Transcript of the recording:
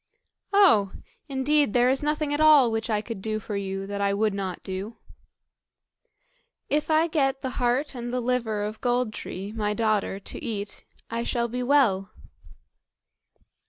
"Oh! indeed there is nothing at all which I could do for you that I would not do." "If I get the heart and the liver of Gold tree, my daughter, to eat, I shall be well."